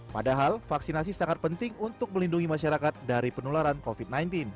padahal vaksinasi sangat penting untuk melindungi masyarakat dari penularan covid sembilan belas